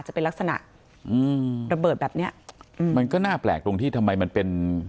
จะเป็นลักษณะอืมระเบิดแบบเนี้ยอืมมันก็น่าแปลกตรงที่ทำไมมันเป็น